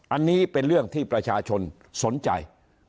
อันนี้เป็นเรื่องที่ประชาชนสนใจ